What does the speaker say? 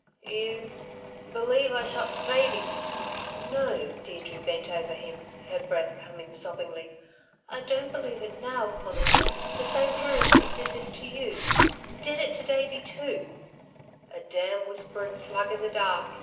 "You believe I shot Davey?" "No." Deirdre bent over him, her breath coming sobbingly. "I don't believe it now, Conal. The same hands that did this to you did it to Davey, too " "A damn', whispering slug in the dark!"